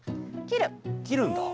切るんだ。